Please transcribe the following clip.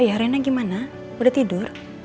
ya rena gimana udah tidur